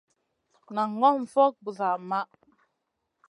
Nan ŋòm fokŋ busa maʼh.